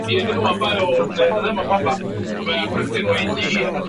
kutoka Mbale na mingine mitatu kutoka Kapchorwa